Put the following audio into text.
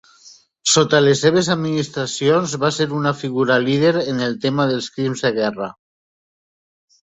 Sota les seves administracions, va ser una figura líder en el tema dels crims de guerra.